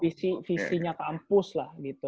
visi visinya kampus lah gitu